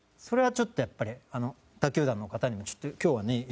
それはちょっとやっぱり他球団の方にもちょっと今日はね